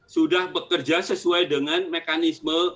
sudah bekerja sesuai dengan mekanisme